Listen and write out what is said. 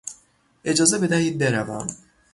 اجازه بدهید بروم.